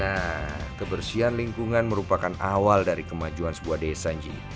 nah kebersihan lingkungan merupakan awal dari kemajuan sebuah desa nji